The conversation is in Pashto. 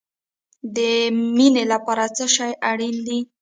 د مینې لپاره څه شی اړین دی؟